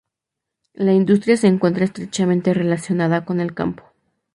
La industria se encuentra estrechamente relacionada con el campo.